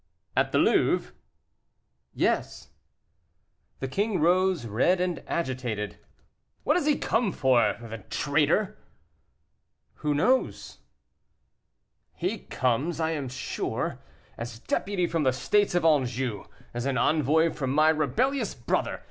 "At the Louvre?" "Yes." The king rose, red and agitated. "What has he come for? The traitor!" "Who knows?" "He comes, I am sure, as deputy from the states of Anjou as an envoy from my rebellious brother.